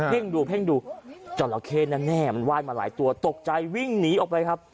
่งดูเพ่งดูจราเข้แน่มันไห้มาหลายตัวตกใจวิ่งหนีออกไปครับ